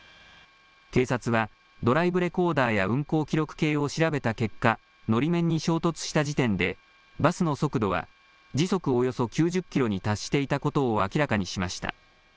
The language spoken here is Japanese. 警察はドライブレコーダーや運行記録計を調べた結果、のり面に衝突した時点でバスの速度は時速およそ９０キロに達していたことを明らかにしました。